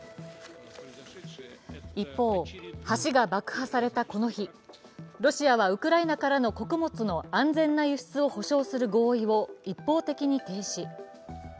一方、橋が爆破されたこの日ロシアは、ウクライナからの穀物の安全な輸出を保障する合意を一方的に停止。